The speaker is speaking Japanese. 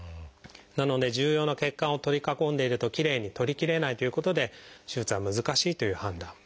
なので重要な血管を取り囲んでいるときれいに取りきれないということで手術は難しいという判断。